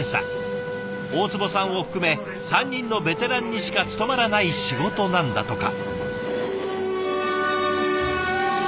大坪さんを含め３人のベテランにしか務まらない仕事なんだとか。